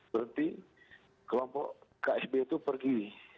berhenti kelompok ksb itu pergi